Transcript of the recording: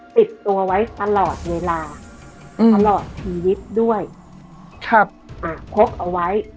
ติดตัวไว้ตลอดเวลาตลอดชีวิตด้วยครับอ่าพกเอาไว้